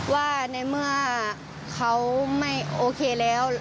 ว่าในเมื่อเขาไม่โอเคแล้ว